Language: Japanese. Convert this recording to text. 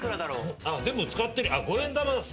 でも使ってるよ。